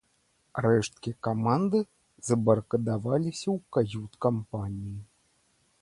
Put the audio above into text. Рэшткі каманды забарыкадаваліся ў кают-кампаніі.